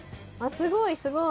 すごいすごい。